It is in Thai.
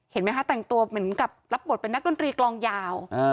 เห็นไหมคะแต่งตัวเหมือนกับรับบทเป็นนักดนตรีกลองยาว